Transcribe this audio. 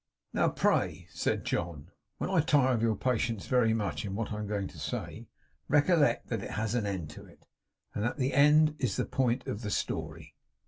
'Now pray,' said John, 'when I tire your patience very much in what I am going to say, recollect that it has an end to it, and that the end is the point of the story.